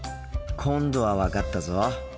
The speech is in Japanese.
今度は分かったぞ。